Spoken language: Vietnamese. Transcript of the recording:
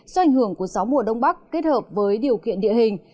do ảnh hưởng của gió mùa đông bắc kết hợp với điều kiện địa hình